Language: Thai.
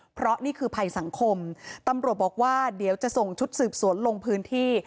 เพราะนี่คือภัยสังคมตำรวจบอกว่าเดี๋ยวจะส่งชุดสืบสวนลงพื้นที่